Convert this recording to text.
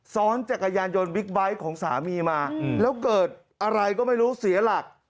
ซ้อนจักรยานยนต์บิ๊กไบท์ของสามีมาแล้วเกิดอะไรก็ไม่รู้เสียหลัก